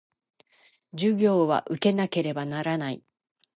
授業は受けなければならない